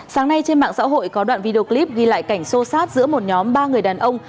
sáng nay trên mạng xã hội có đoạn video clip ghi lại cảnh sô sát giữa một nhóm ba người đàn ông